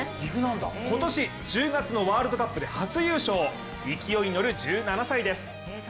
今年１０月のワールドカップで初優勝、勢いに乗る１７歳です。